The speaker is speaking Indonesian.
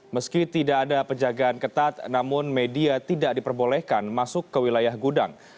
meski tidak ada penjagaan ketat namun media tidak diperbolehkan masuk ke wilayah gudang